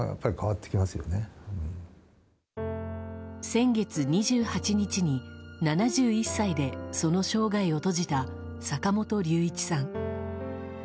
先月２８日に、７１歳でその生涯を閉じた坂本龍一さん。